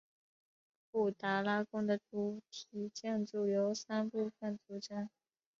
布达拉宫的主体建筑由三部分组成。